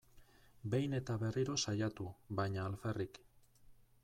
Behin eta berriro saiatu, baina alferrik.